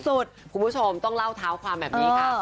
คุณผู้ชมต้องเล่าเท้าความแบบนี้ค่ะ